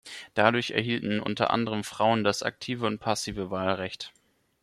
Dadurch erhielten unter anderem Frauen das aktive und passive Wahlrecht.